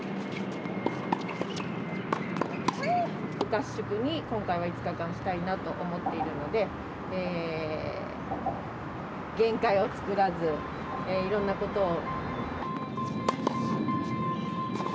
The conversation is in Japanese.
合宿に今回は５日間したいなと思っているので限界を作らずいろんなことを。